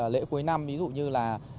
lễ cuối năm ví dụ như là